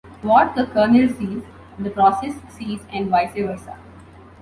What the kernel sees, the process sees and vice versa.